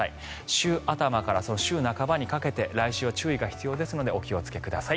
週頭から週半ばにかけて来週は注意が必要ですのでお気をつけください。